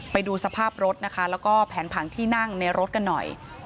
ไปดูสภาพรถนะคะแล้วก็แผนผังที่นั่งในรถกันหน่อย